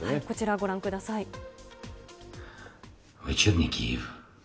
こちらご覧ください。